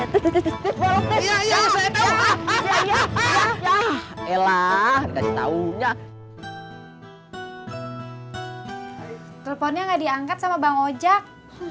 teleponnya gak diangkat sama bang ojek